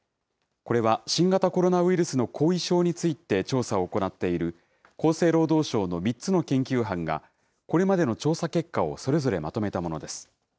これは新型コロナウイルスの後遺症について調査を行っている、厚生労働省の３つの研究班が、これまでの調査結果をそれぞれまとめたものです。